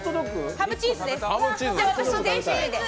ハムチーズです。